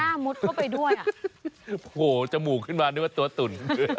มุดเข้าไปด้วยอ่ะโอ้โหจมูกขึ้นมานึกว่าตัวตุ่น